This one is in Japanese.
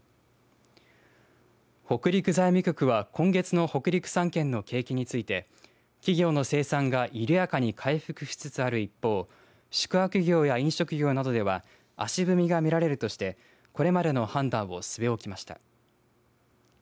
北陸財務局は今月の北陸３県の景気について企業の生産が緩やかに回復しつつある一方宿泊業や飲食業などでは足踏みがみられるとしてこれまでの判断を据え置きました。